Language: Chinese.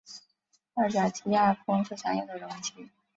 二甲基亚砜是常用的溶剂。